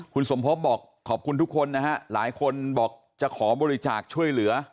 คุณสมพบบอกขอบคุณทุกคนนะฮะหลายคนบอกจะขอบริจาคช่วยเหลือ